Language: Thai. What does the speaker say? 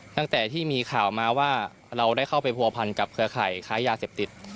ตั้งแต่ที่มีข่าวมาว่าเราได้เข้าไปผัวพันกับเครือข่ายค้ายาเสพติด